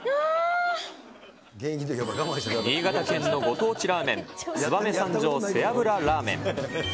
新潟県のご当地ラーメン、燕三条背脂ラーメン。